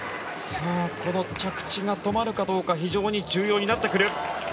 この着地が止まるかどうか非常に重要になってくる。